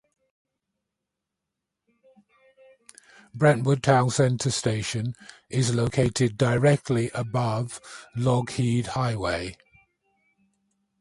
Brentwood Town Centre station is located directly above Lougheed Highway.